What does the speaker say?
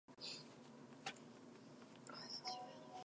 She hoped that he would invite her to the theater.